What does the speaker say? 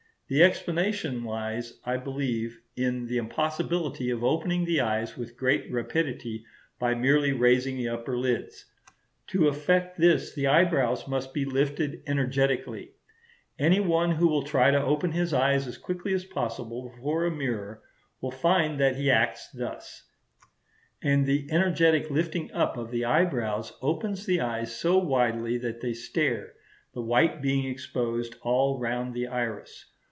The explanation lies, I believe, in the impossibility of opening the eyes with great rapidity by merely raising the upper lids. To effect this the eyebrows must be lifted energetically. Any one who will try to open his eyes as quickly as possible before a mirror will find that he acts thus; and the energetic lifting up of the eyebrows opens the eyes so widely that they stare, the white being exposed all round the iris.